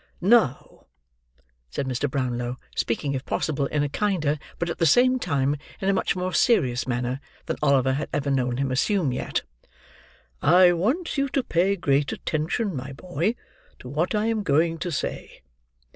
"Now," said Mr. Brownlow, speaking if possible in a kinder, but at the same time in a much more serious manner, than Oliver had ever known him assume yet, "I want you to pay great attention, my boy, to what I am going to say.